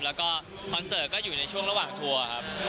แล้วก็คอนเสิร์ตก็อยู่ในช่วงระหว่างทัวร์ครับ